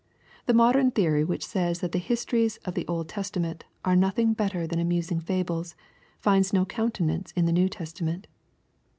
The modern theory which . ^^ys that the histories of the Old Testament are nothing better thau amusing fables, finds no countenance in the New Testament.